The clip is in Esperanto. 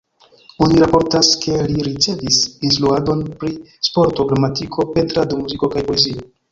Oni raportas, ke li ricevis instruadon pri sporto, gramatiko, pentrado, muziko kaj poezio.